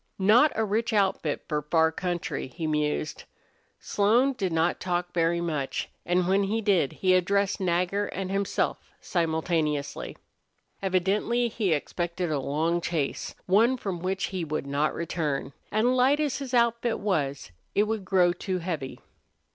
"Not a rich outfit for a far country," he mused. Slone did not talk very much, and when he did he addressed Nagger and himself simultaneously. Evidently he expected a long chase, one from which he would not return, and light as his outfit was it would grow too heavy.